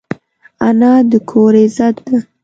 انا د کور عزت ده